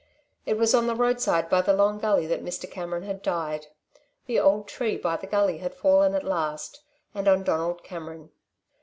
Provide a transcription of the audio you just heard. It was on the roadside by the Long Gully that Mr. Cameron had died. The old tree by the gully had fallen at last, and on Donald Cameron.